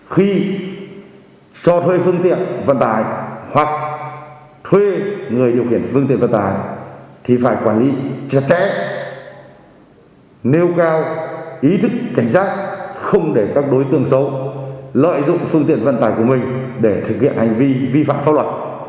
khi cho thuê phương tiện vận tải hoặc thuê người điều khiển phương tiện vận tải thì phải quản lý chặt chẽ nêu cao ý thức cảnh giác không để các đối tượng xấu lợi dụng phương tiện vận tải của mình để thực hiện hành vi vi phạm pháp luật